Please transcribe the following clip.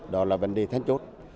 đó là vấn đề thanh chốt